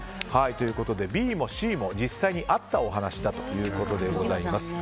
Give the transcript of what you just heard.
ＢもＣも実際にあったお話だということです。